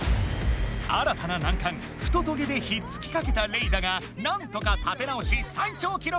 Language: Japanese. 新たな難関ふとトゲでひっつきかけたレイだがなんとか立て直し最長記録を更新！